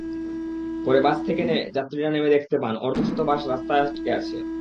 পরে বাস থেকে যাত্রীরা নেমে দেখতে পান, অর্ধশত বাস রাস্তায় আটকে আছে।